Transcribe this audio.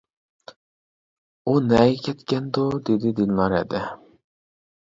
-ئۇ نەگە كەتكەندۇ؟ -دېدى دىلنار ھەدە.